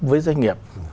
với doanh nghiệp